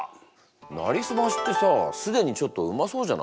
「なりすまし」ってさ既にちょっとうまそうじゃない？